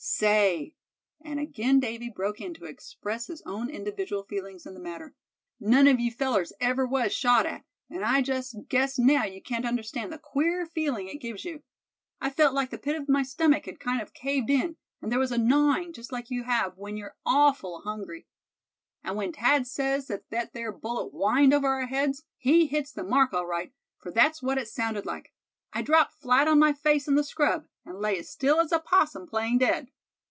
"Say," and again Davy broke in to express his own individual feelings in the matter, "none of you fellers ever was shot at, and I just guess now you can't understand the queer feeling it gives you. I felt like the pit of my stomach had kind of caved in, and there was a gnawing just like you have when you're awful hungry. And when Thad says that there bullet 'whined' over our heads, he hits the mark all right, for that's what it sounded like. I dropped flat on my face in the scrub, and lay as still as a 'possum playing dead."